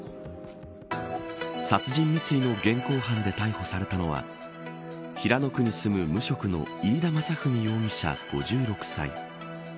殺人未遂の現行犯で逮捕されたのは平野区に住む無職の飯田雅史容疑者、５６歳。